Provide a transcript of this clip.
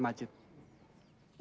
pembelajaran dan memperolehkan majid